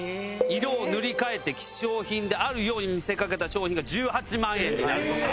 色を塗り替えて希少品であるように見せかけた商品が１８万円になるとか。